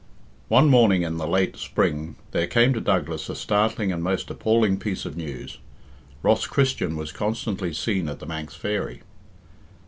III. One morning in the late spring there came to Douglas a startling and most appalling piece of news Ross Christian was constantly seen at "The Manx Fairy."